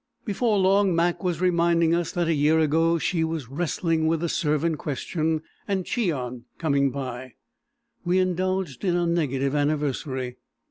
Before long Mac was reminding us that a year ago she was wrestling with the servant question, and Cheon coming by, we indulged in a negative anniversary.